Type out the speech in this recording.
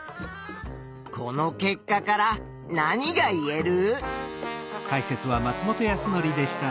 この結果から何がいえる？